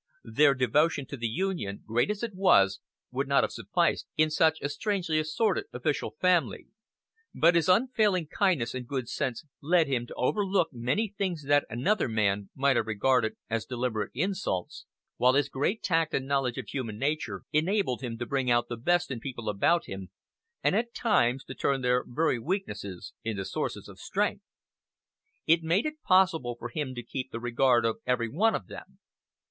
Their devotion to the Union, great as it was, would not have sufficed in such a strangely assorted official family; but his unfailing kindness and good sense led him to overlook many things that another man might have regarded as deliberate insults; while his great tact and knowledge of human nature enabled him to bring out the best in people about him, and at times to turn their very weaknesses into sources of strength. It made it possible for him to keep the regard of every one of them.